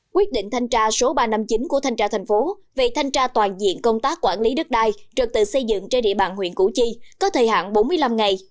quyết định thanh tra số ba trăm năm mươi chín của thanh tra thành phố về thanh tra toàn diện công tác quản lý đất đai trật tự xây dựng trên địa bàn huyện củ chi có thời hạn bốn mươi năm ngày